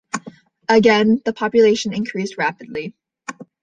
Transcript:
Again, the population increased rapidly.